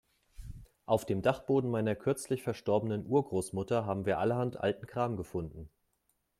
Auf dem Dachboden meiner kürzlich verstorbenen Urgroßmutter haben wir allerhand alten Kram gefunden.